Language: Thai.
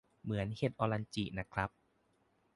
เหมือนเห็ดออรัลจิน่ะครับ